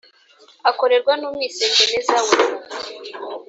akorerwa n umwisengeneza we